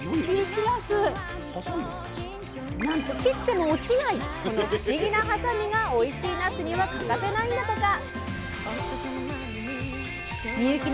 なんと切っても落ちないこの不思議なはさみがおいしいなすには欠かせないんだとか。